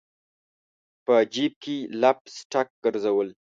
په جیب کي لپ سټک ګرزول